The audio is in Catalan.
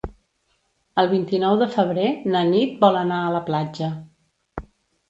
El vint-i-nou de febrer na Nit vol anar a la platja.